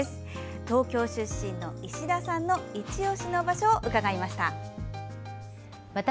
東京出身の石田さんのいちオシの場所を伺いました。